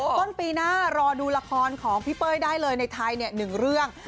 ต้นปีหน้ารอดูละครของพี่เป้ยได้เลยในไทย๑เรื่อง